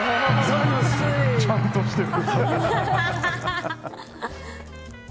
ちゃんとしてる。